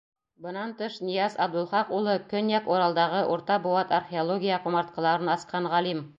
Бынан тыш, Нияз Абдулхаҡ улы — Көньяҡ Уралдағы урта быуат археология ҡомартҡыларын асҡан ғалим.